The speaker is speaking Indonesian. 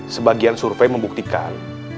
sebagian survei membuktikan